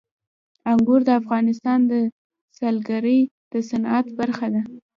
انګور د افغانستان د سیلګرۍ د صنعت برخه ده.